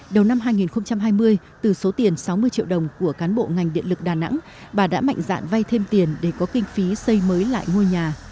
đầu năm hai nghìn hai mươi từ số tiền sáu mươi triệu đồng của cán bộ ngành điện lực đà nẵng bà đã mạnh dạn vay thêm tiền để có kinh phí xây mới lại ngôi nhà